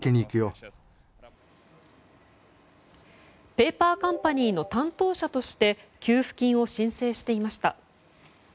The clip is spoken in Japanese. ペーパーカンパニーの担当者として給付金を申請していました。